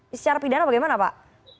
secara pidana bagaimana pak